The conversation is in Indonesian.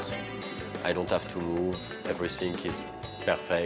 saya tidak perlu bergerak semuanya sempurna